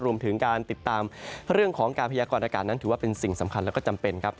รวมถึงการติดตามเรื่องของการพยากรอากาศนั้นถือว่าเป็นสิ่งสำคัญแล้วก็จำเป็นครับ